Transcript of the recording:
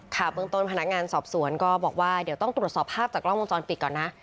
เบื้องต้นพนักงานสอบสวนก็บอกว่าเดี๋ยวต้องตรวจสอบภาพจากกล้องวงจรปิดก่อนนะ